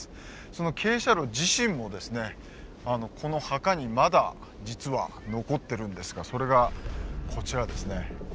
その傾斜路自身もですねこの墓にまだ実は残ってるんですがそれがこちらですね。